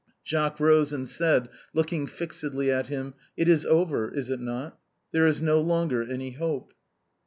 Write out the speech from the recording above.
Jacques rose, and said, looking fixedly at him, " It is over, is it not — there is no longer any hope